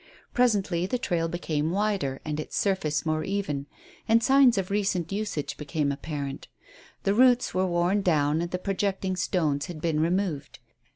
Presently the trail became wider and its surface more even, and signs of recent usage became apparent. The roots were worn down and the projecting stones had been removed.